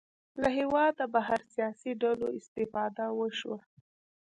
له هېواده بهر سیاسي ډلو استفاده وشوه